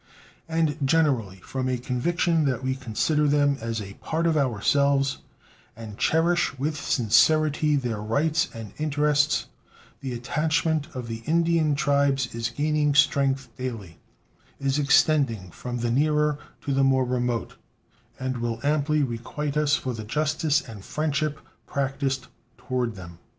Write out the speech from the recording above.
And, generally, from a conviction that we consider them as a part of ourselves, and cherish with sincerity their rights and interests, the attachment of the Indian tribes is gaining strength daily is extending from the nearer to the more remote, and will amply requite us for the justice and friendship practiced toward them.